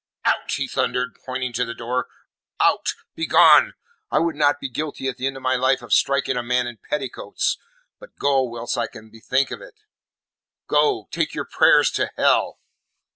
"Out!" he thundered, pointing to the door. "Out! Begone! I would not be guilty at the end of my life of striking a man in petticoats. But go whilst I can bethink me of it! Go take your prayers to hell."